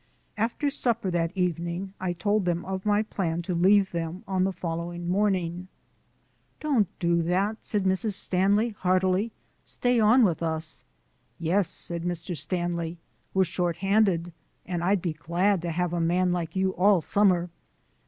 After supper that evening I told them of my plan to leave them on the following morning. "Don't do that," said Mrs. Stanley heartily; "stay on with us." "Yes," said Mr. Stanley, "we're shorthanded, and I'd be glad to have a man like you all summer.